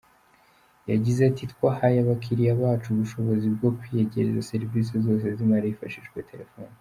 Yagize ati "Twahaye abakiriya bacu ubushobozi bwo kwiyegereza serivisi zose z’imari hifashishijwe telefoni.